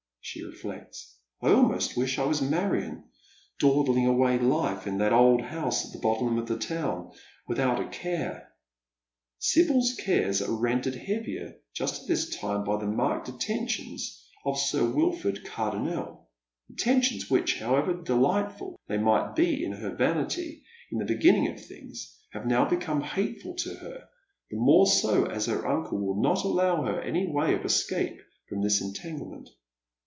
" she reflects. " I almost wish I were Marion, dawdling away life in that old house at the bottom of the town, without a care." Sibyl's cares are rendered heavier just at this time by the marked attentions of Sir Wilford Cardonnel, attentions which, however delightful they might be to her vanity in the beginning of things, have now become hateful to her, the more so as her uncle will not allow her any way of escape from this entangle ment.